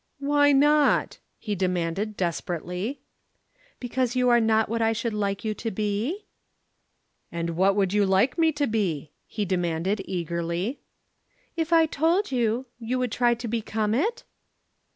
"Why not?" he demanded desperately. "Because you are not what I should like you to be?" "And what would you like me to be?" he demanded eagerly. "If I told you, you would try to become it?"